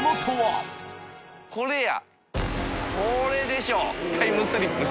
これや。